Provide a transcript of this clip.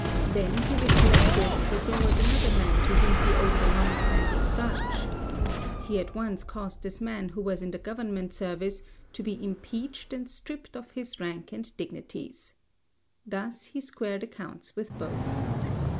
Then he recollected that there was another man to whom he owed a long standing grudge. He at once caused this man, who was in the Government service, to be impeached and stripped of his rank and dignities. Thus he squared accounts with both.